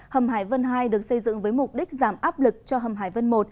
hầm hải vân hai được xây dựng với mục đích giảm áp lực cho hầm hải vân một